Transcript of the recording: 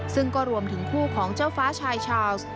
ซึ่งก็รวมถึงคู่ของเจ้าฟ้าชายชาวส์